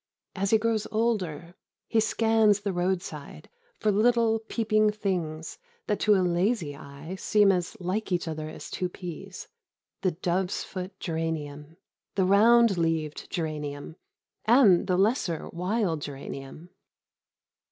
As he grows older, he scans the roadside for little peeping things that to a lazy eye seem as like each other as two peas the dove's foot geranium, the round leaved geranium and the lesser wild geranium.